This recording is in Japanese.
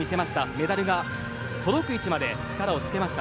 メダルが届く位置まで力をつけました。